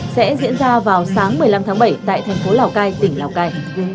sẽ diễn ra vào sáng một mươi năm tháng bảy tại thành phố lào cai tỉnh lào cai